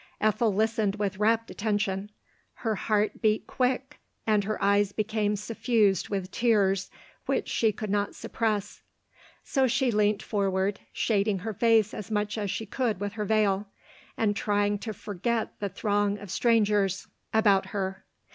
Ethel listened with wrapt attention ; her heart beat quick, and her eyes became suffused with tears which she could not suppress ;— so she leant forward, shading her face as much as she could with her veil, and trying to forget the throng of strangers LODORF.. 295 about her.